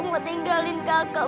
kenapa kamu tinggalin kakak